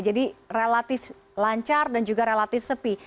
jadi relatif lancar dan juga relatif sepi